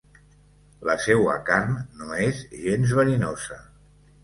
La seua carn no és gens verinosa.